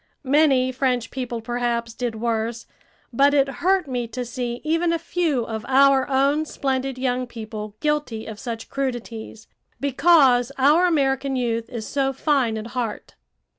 Many French people perhaps did worse, but it hurt me to see even a few of our own splendid young people guilty of such crudities, because our American youth is so fine at heart.